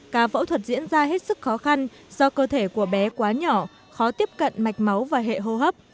cả phẫu thuật diễn ra hết sức khó khăn do cơ thể của bé quá nhỏ khó tiếp cận mạch máu và hệ hô hấp